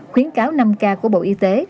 khuyến cáo năm ca của bộ y tế